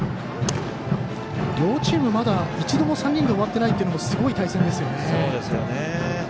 両チーム、まだ一度も３人で終わってないというのもすごい対戦ですよね。